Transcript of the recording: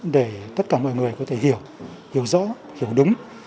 để tất cả mọi người có thể hiểu hiểu rõ hiểu đúng